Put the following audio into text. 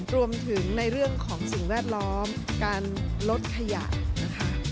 รวมถึงในเรื่องของสิ่งแวดล้อมการลดขยะนะคะ